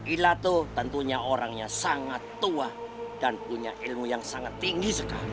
ilato tentunya orangnya sangat tua dan punya ilmu yang sangat tinggi sekali